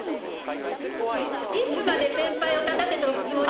いつまで先輩を立たせておくつもり？